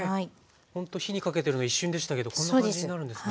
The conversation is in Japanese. ほんと火にかけてるの一瞬でしたけどこんな感じになるんですね。